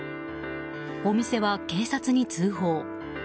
お店は警察に通報。